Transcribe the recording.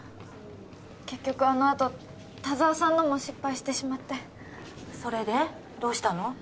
結局あのあと田沢さんのも失敗してしまってそれでどうしたの？